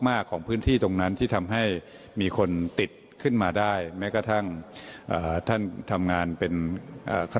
ในกับเรื่องต้องทำให้การกระทรวงสาธารณสุข